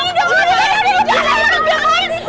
nih jangan jangan jangan